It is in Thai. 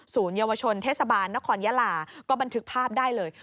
เยาวชนเทศบาลนครยาลาก็บันทึกภาพได้เลย